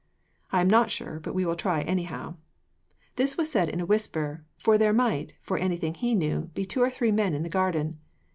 "I am not sure, but we will try, anyhow." This was said in a whisper, for there might, for anything he knew, be two or three men in the garden.